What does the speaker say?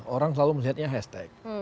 orang selalu melihatnya hashtag